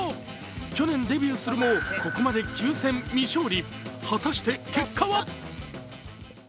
去年デビューするも、ここまで９戦未勝利。